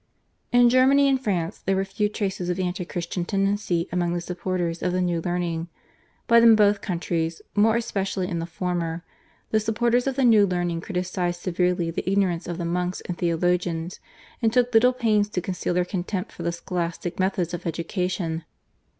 In Germany and France there were few traces of an anti Christian tendency amongst the supporters of the new learning. But in both countries, more especially in the former, the supporters of the new learning criticised severely the ignorance of the monks and Theologians, and took little pains to conceal their contempt for the Scholastic methods of education.